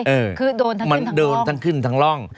คือโดนท่านขึ้นทั้งร่องมันโดนท่านขึ้นทั้งร่อง